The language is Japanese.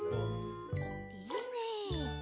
いいね。